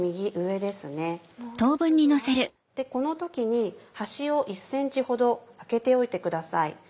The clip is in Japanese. この時に端を１ｃｍほど空けておいてください。